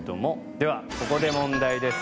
ではここで問題です。